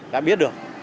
đã biết được